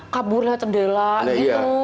kabur lihat cendela gitu